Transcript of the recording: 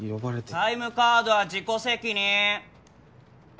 タイムカードは自己責任。